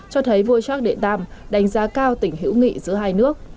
cho thấy vua charles iii đánh giá cao tỉnh hữu nghị giữa hai nước